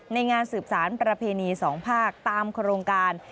งานสืบสารประเพณีสองภาคตามโครงการ